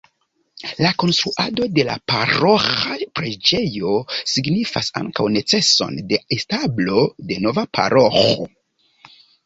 La konstruado de la paroĥa preĝejo signifis ankaŭ neceson de establo de nova paroĥo.